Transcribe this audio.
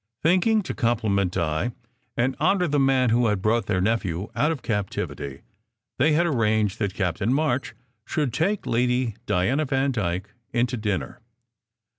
Thinking to compliment Di, and honour the man who had brought their nephew out of captivity, they had arranged that Captain March should take Lady Diana Vandyke in to dinner.